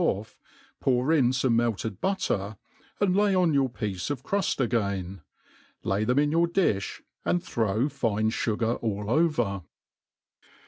oif', pour in fome melted butter, and lay on yoiir piece of cruft again. Lay them in your difh, and throw fine fugar all over.